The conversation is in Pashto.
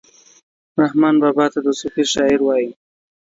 رحمان بابا ته صوفي شاعر وايي